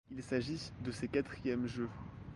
Il s'agit de ses quatrièmes Jeux.